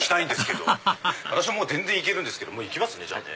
アハハハハ私はもう全然いけるんですもういきますねじゃあね。